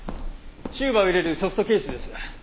チューバを入れるソフトケースです。